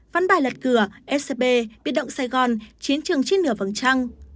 văn bài lật cửa scp biệt động sài gòn chiến trường chiến nửa vận trăng